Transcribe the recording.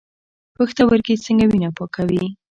پښتورګي څنګه وینه پاکوي؟